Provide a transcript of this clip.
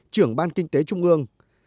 trưởng ban kinh tế trung ương